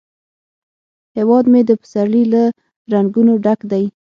هیواد مې د پسرلي له رنګونو ډک دی